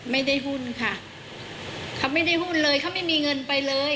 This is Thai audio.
ไม่ได้หุ้นค่ะเขาไม่ได้หุ้นเลยเขาไม่มีเงินไปเลย